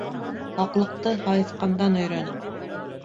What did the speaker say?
Һаҡлыҡты һайыҫҡандан өйрән.